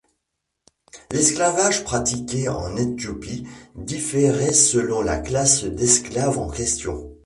L'esclavage pratiqué en Éthiopie différait selon la classe d'esclaves en question.